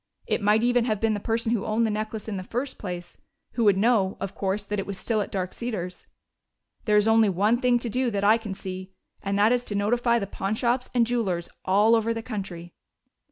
It might even have been the person who owned the necklace in the first place, who would know, of course, that it was still at Dark Cedars. There is only one thing to do that I can see, and that is to notify the pawnshops and jewelers all over the country."